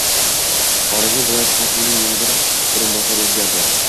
Xorazm viloyati hokimining yana bir o‘rinbosari o‘zgardi